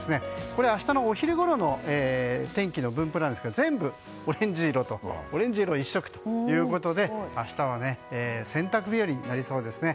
これは、明日のお昼ごろの天気の分布ですが全部オレンジ色一色ということで明日は洗濯日和になりそうですね。